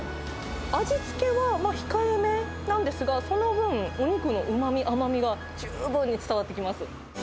味付けは控えめなんですが、その分、お肉のうまみ、甘みが十分に伝わってきます。